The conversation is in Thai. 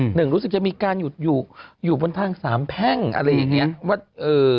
หนึ่งรู้สึกจะมีการหยุดอยู่อยู่บนทางสามแพ่งอะไรอย่างเงี้ย